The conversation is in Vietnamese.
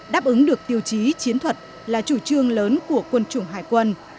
đáp ứng được tiêu chí chiến thuật là chủ trương lớn của quân chủng hải quân